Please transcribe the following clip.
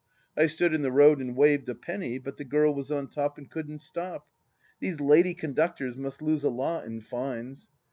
I stood in the road and waved a penny, but the girl was on top and couldn't stop. These lady conductors must lose a lot in fines.